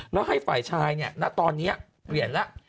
แล้วให้ฝ่ายชายเนี่ยณตอนนี้เปลี่ยนแล้ว